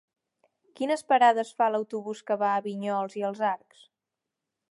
Quines parades fa l'autobús que va a Vinyols i els Arcs?